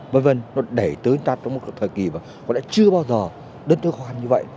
vâng vâng nó để tới ta trong một thời kỳ mà có lẽ chưa bao giờ đất nước hoan như vậy